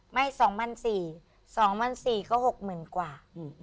ไม่๒๔๐๐๒๔๐๐ก็๖๐๐๐กว่า